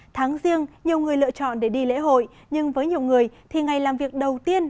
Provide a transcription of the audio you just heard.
tháng riêng nhiều người lựa chọn để đi lễ hội nhưng với nhiều người thì ngày làm việc đầu tiên